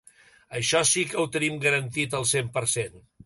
Això sí que ho tenim garantit al cent per cent.